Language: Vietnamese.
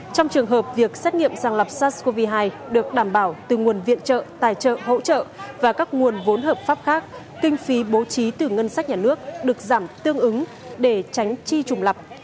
trong trường hợp việc xét nghiệm sàng lọc sars cov hai được đảm bảo từ nguồn viện trợ tài trợ hỗ trợ và các nguồn vốn hợp pháp khác kinh phí bố trí từ ngân sách nhà nước được giảm tương ứng để tránh chi trùng lập